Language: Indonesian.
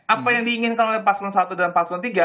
apa yang diinginkan oleh paslon satu dan paslon tiga